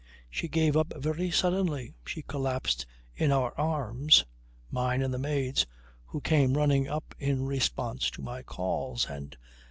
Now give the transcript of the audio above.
She gave up very suddenly. She collapsed in our arms, mine and the maid's who came running up in response to my calls, and